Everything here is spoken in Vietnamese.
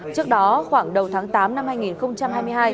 trước đó khoảng đầu tháng tám năm hai nghìn hai mươi hai